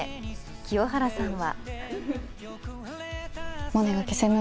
清原さんは。